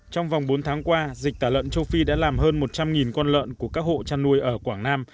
trong vòng bốn tháng qua dịch tả lợn châu phi đã làm hơn một trăm linh con lợn của các hộ chăn nuôi ở quảng nam